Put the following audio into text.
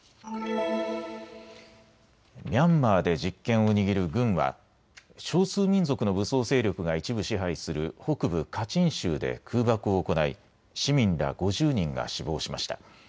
ミャンマーで実権を握る軍は少数民族の武装勢力が一部支配する北部カチン州で空爆を行い、市民ら５０人が死亡しました。